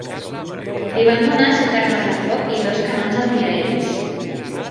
Li van donar set armes de foc i dos canons antiaeris.